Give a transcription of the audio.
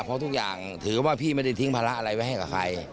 เพราะทุกอย่างถือว่าพี่ไม่ได้ทิ้งภาระอะไรไว้ให้กับใคร